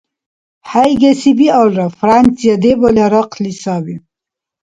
ХӀейгеси биалра, Франция дебали гьарахъли саби.